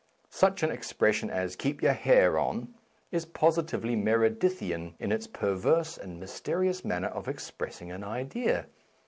Such an expression as Keep your hair on " is posi tively Meredithian in its perverse and mys terious manner of expressing an idea.